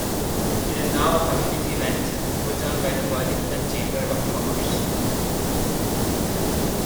It is now a community event put on by the Burlington Chamber of Commerce.